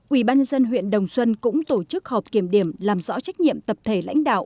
ủy ban dân huyện đồng xuân cũng tổ chức họp kiểm điểm làm rõ trách nhiệm tập thể lãnh đạo